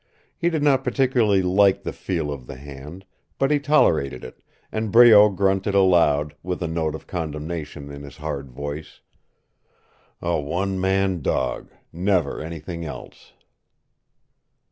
He did not particularly like the feel of the hand, but he tolerated it, and Breault grunted aloud, with a note of commendation in his hard voice. "A one man dog never anything else."